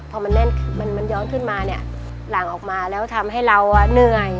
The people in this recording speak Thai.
พอมันแน่นมันย้อนขึ้นมาเนี่ยหลังออกมาแล้วทำให้เราเหนื่อย